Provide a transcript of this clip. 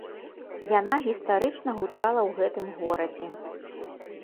Яна гістарычна гучала ў гэтым горадзе.